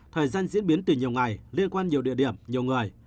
thời gian diễn biến từ nhiều ngày liên quan nhiều địa điểm nhiều người